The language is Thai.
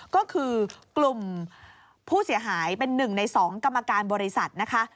ก็คือกลุ่มผู้เสียหายเป็น๑ใน๒กรรมการบริษัทนะคะ